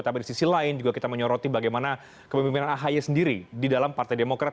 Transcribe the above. tapi di sisi lain juga kita menyoroti bagaimana kepemimpinan ahy sendiri di dalam partai demokrat